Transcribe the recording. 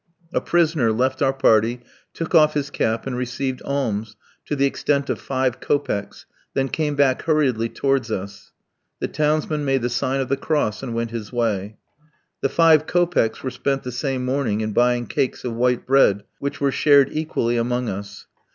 A prisoner left our party, took off his cap and received alms to the extent of five kopecks then came back hurriedly towards us. The townsman made the sign of the cross and went his way. The five kopecks were spent the same morning in buying cakes of white bread which were shared equally among us.